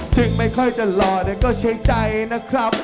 ไม่ค่อยจะหล่อแต่ก็ใช้ใจนะครับ